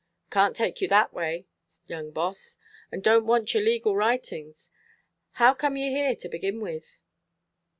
"Canʼt take you that way, young Boss, and donʼt want your legal writings. How come you here, to begin with?"